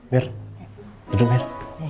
mir duduk mir